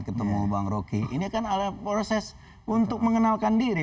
ketemu bang roky ini kan adalah proses untuk mengenalkan diri